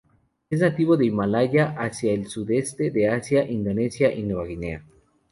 Es nativo de Himalaya hacia el sudeste de Asia, Indonesia y Nueva Guinea.